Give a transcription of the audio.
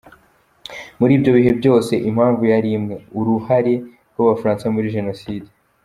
Muri ibyo bihe byose impamvu yari imwe: uruhari rw’abafaransa muri jenoside.